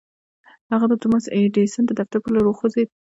هغه د توماس اې ايډېسن د دفتر پر لور وخوځېد.